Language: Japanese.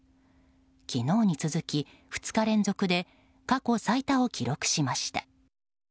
昨日に続き２日連続で過去最多を記録しました。